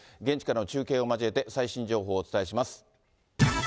現地からの中継を交えて最新情報をお伝えします。